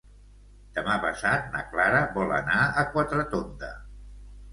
Demà passat na Clara vol anar a Quatretonda.